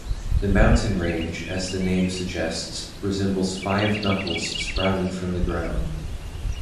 The mountain range, as the name suggests, resembles five knuckles sprouting from the ground.